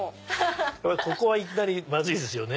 ここはいきなりまずいですよね。